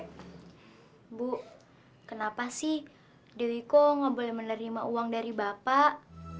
ibu kenapa sih dewiko nggak boleh menerima uang dari bapak